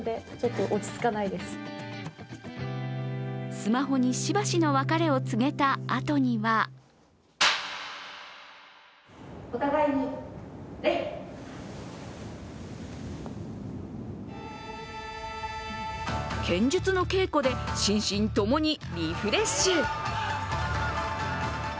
スマホにしばしの別れを告げたあとには剣術の稽古で心身ともにリフレッシュ。